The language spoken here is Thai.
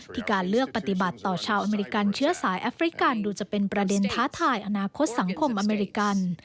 การเลือกปฏิบัติต่อชาวอเมริกันเชื้อสายแอฟริกันดูจะเป็นประเด็นท้าทายอนาคตสังคมอเมริกัน